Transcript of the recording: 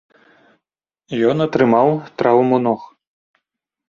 Ён атрымаў траўму ног.